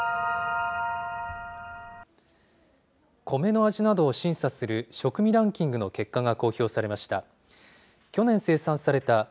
コメの味などを審査する、食味ランキングの結果が公表されました。